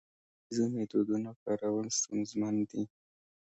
د دودیزو میتودونو کارول ستونزمن دي.